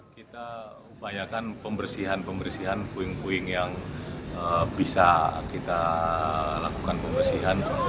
kita upayakan pembersihan pembersihan puing puing yang bisa kita lakukan pembersihan